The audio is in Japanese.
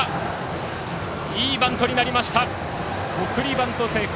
送りバント成功。